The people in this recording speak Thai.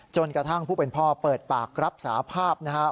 จนกระทั่งผู้เป็นพ่อเปิดปากรับสาภาพนะครับ